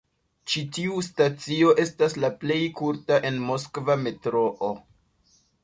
Ĉi tiu stacio estas la plej kurta en Moskva metroo.